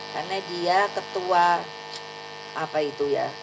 karena dia ketua apa itu ya